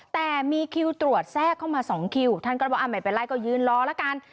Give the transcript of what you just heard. แต่มีคิวตรวจแทรกเข้ามาสองคิวท่านก็บอกไม่เป็นไรก็ยืนรอละกัน